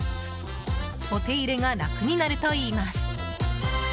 お手入れが楽になるといいます。